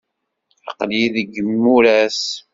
Aql-iyi deg yimuras.